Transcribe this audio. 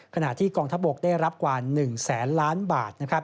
ขณะที่กองทัพบกได้รับกว่า๑แสนล้านบาท